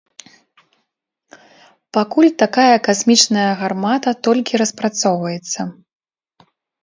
Пакуль такая касмічная гармата толькі распрацоўваецца.